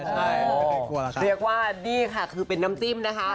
ใช่เรียกว่านี่ค่ะคือเป็นน้ำจิ้มนะคะ